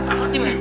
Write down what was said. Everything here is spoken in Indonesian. bisa cek kan